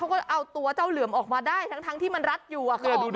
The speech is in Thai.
เขาก็เอาตัวเจ้าเหลือมออกมาได้ทั้งที่มันรัดอยู่อะค่ะ